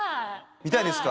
見たいですか？